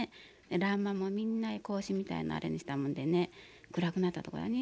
欄間もみんな格子みたいなあれにしたもんでね暗くなったとこだね